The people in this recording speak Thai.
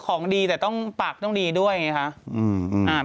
ของดีแต่ต้องปากดีด้วยอย่างนี้ค่ะ